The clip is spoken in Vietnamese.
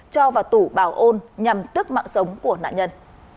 cho vào tủ bảo ôn nhằm tước mạng sống của nạn nhân